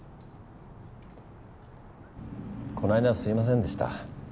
この間はすいませんでした。